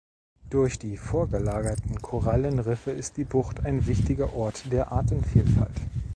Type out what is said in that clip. Durch die vorgelagerten Korallenriffe ist die Bucht ein wichtiger Ort der Artenvielfalt.